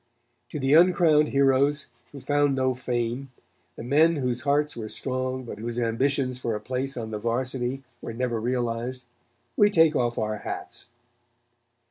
To the uncrowned heroes, who found no fame, the men whose hearts were strong, but whose ambitions for a place on the Varsity were never realized, we take off our hats.